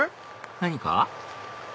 何か？